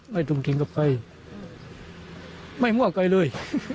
ไม่จุดถึงกับใครไม่มั่วใครเลย